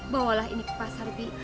bawa ini ke pasar bi